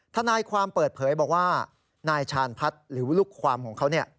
ทนายความเปิดเผยบอกว่านายชาญพัฒน์หรือว่าลูกความของเขา